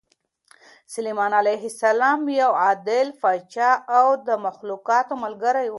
سلیمان علیه السلام یو عادل پاچا او د مخلوقاتو ملګری و.